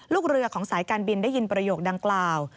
ลูกเรือของสายการบินได้ยินประโยคดังกล่าว